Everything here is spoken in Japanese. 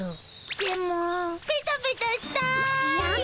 でもペタペタしたい。